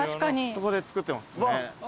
そこで作ってますね。